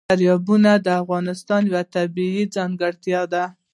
دریابونه د افغانستان یوه طبیعي ځانګړتیا ده.